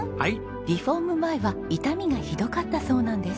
リフォーム前は傷みがひどかったそうなんです。